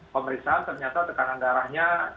pemeriksaan ternyata tekanan garahnya